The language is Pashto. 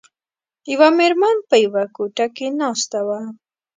یوه میرمن په یوه کوټه کې ناسته وه.